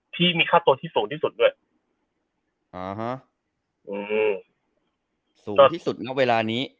ที่มีค่าตัวที่สูงที่สุดด้วยอ่าฮะอืมสูงที่สุดนะเวลานี้